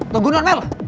tunggu non mel